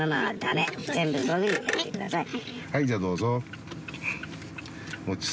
はいじゃあどうぞ。